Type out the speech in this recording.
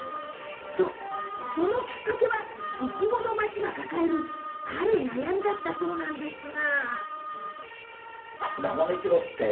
そのきっかけはいちごの町が抱えるある悩みだったそうなんですが。